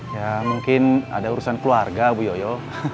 ya mungkin ada urusan keluarga bu yoyo